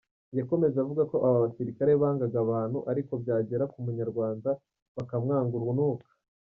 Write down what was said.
Yakomeje avuga ko aba basirikare bangaga abantu ariko byagera ku Munyarwanda bakamwanga urunuka.